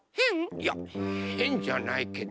いやへんじゃないけど。